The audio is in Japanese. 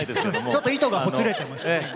ちょっと糸がほつれてましたね。